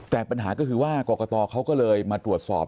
แต่ปัญหาก็คือว่ากรกตเขาก็เลยมาตรวจสอบ